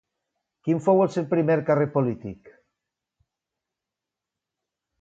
Quin fou el seu primer càrrec polític?